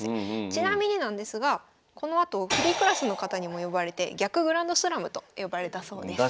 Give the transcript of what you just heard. ちなみになんですがこのあとフリークラスの方にも敗れて逆グランドスラムと呼ばれたそうです。